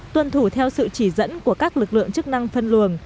tuân thủ theo sự chỉ dẫn của các lực lượng chức năng phân luồng